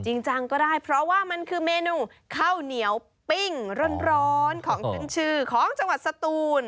จริงจังก็ได้เพราะว่ามันคือเมนูข้าวเหนียวปิ้งร้อนของขึ้นชื่อของจังหวัดสตูน